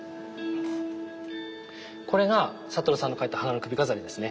これが覚さんの描いた「花の首飾り」ですね。